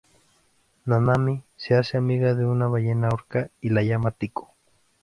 Nanami se hace amiga de una ballena Orca y la llama Tico.